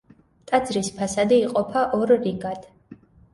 ტაძრის ფასადი იყოფა ორ რიგად.